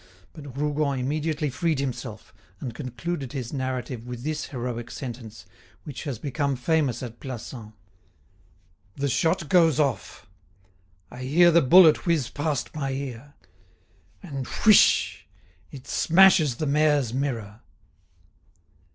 But Rougon immediately freed himself, and concluded his narrative with this heroic sentence, which has become famous at Plassans: "The shot goes off; I hear the bullet whiz past my ear; and whish! it smashes the mayor's mirror."